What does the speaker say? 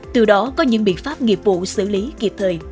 từ đó có những biện pháp nghiệp vụ xử lý kịp thời